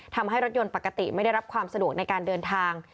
ทำให้รถยนต์ปกติไม่ได้รับความสะดวกในการเดินทาง